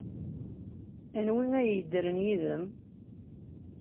Anwi ay yeddren yid-m?